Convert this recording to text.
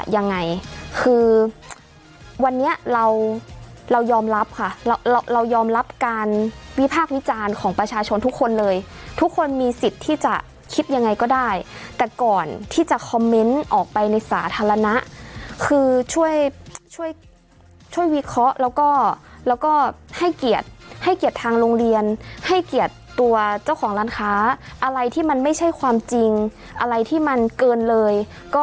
ยังไงคือวันนี้เราเรายอมรับค่ะเราเรายอมรับการวิพากษ์วิจารณ์ของประชาชนทุกคนเลยทุกคนมีสิทธิ์ที่จะคิดยังไงก็ได้แต่ก่อนที่จะคอมเมนต์ออกไปในสาธารณะคือช่วยช่วยวิเคราะห์แล้วก็ให้เกียรติให้เกียรติทางโรงเรียนให้เกียรติตัวเจ้าของร้านค้าอะไรที่มันไม่ใช่ความจริงอะไรที่มันเกินเลยก็